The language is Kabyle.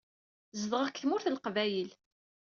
Zedɣeɣ deg Tmurt n Leqbayel.